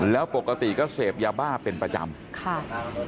แล้วปกติก็เสพยาบ้าเป็นประจำค่ะ